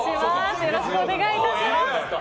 よろしくお願いします。